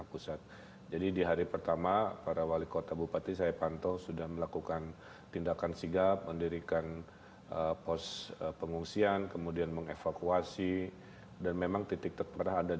wilayah jawa barat sebagai daerah penyangga ibu kota selama ini kerap dituding sebagai penyumbang banjir jakarta